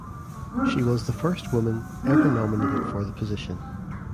She was the first woman ever nominated for the position.